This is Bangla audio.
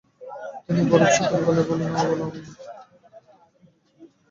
তিনি বরফশীতল গলায় বললেন, বল আমি নেই।